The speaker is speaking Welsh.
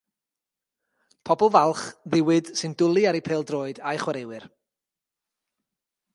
Pobl falch, ddiwyd, sy'n dwlu ar eu pêl-droed, a'u chwaraewyr.